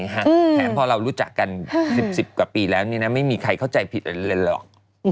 แถมพอเรารู้จักกัน๑๐กว่าปีแล้วไม่มีใครเข้าใจผิดอะไรเลยหรอก